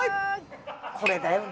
これだよね。